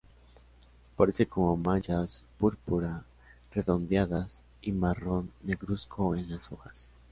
Aparece como manchas púrpura redondeadas y marrón negruzco en las hojas.